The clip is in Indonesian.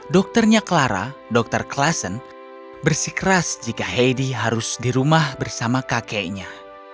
dokternya clara dokter klassen bersikeras jika heidi harus di rumah bersama kakeknya